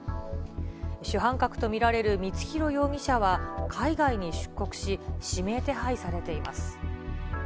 主犯格と見られる光弘容疑者は海外に出国し、指名手配されています。